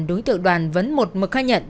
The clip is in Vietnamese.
đối tượng đoàn vẫn một mực khai nhận